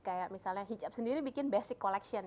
kayak misalnya hijab sendiri bikin basic collection